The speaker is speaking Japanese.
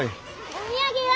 お土産は？